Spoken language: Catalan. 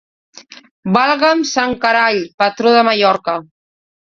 Valga'm sant Carall, patró de Mallorca!